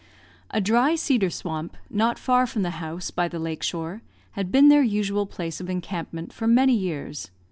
A dry cedar swamp, not far from the house, by the lake shore, had been their usual place of encampment for many years.